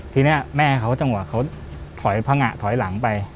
ทีนี้แม่เขาจังหวะเขาถอยพังงะถอยหลังไป